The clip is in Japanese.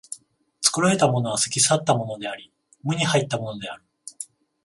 作られたものは過ぎ去ったものであり、無に入ったものである。